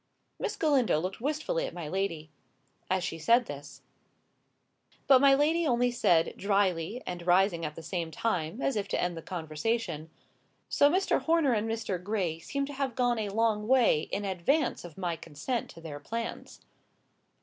Miss Galindo looked wistfully at my lady, as she said this. But my lady only said, drily, and rising at the same time, as if to end the conversation— "So Mr. Horner and Mr. Gray seem to have gone a long way in advance of my consent to their plans."